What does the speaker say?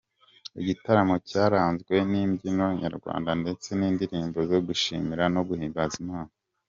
Igitaramo cyaranzwe n’imbyino nyarwanda ndetse n’indirimbo zo gushimira no guhimbaza Imana.